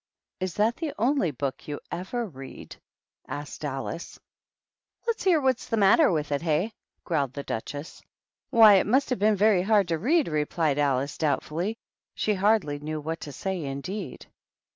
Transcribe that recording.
" Is that the only book you ever read ?" asked Alice. • "Let's hear what's the matter with it, hey?" growled the Duchess. " Why, it must have been very hard to read," replied Alice, doubtfully. She hardly knew what to say, indeed.